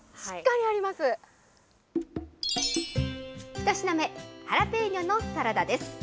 １品目、ハラペーニョのサラダです。